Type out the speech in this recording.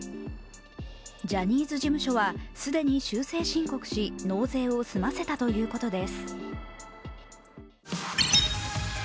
ジャニーズ事務所は既に修正申告し納税を済ませたということです。